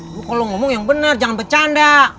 lo kalo ngomong yang bener jangan bercanda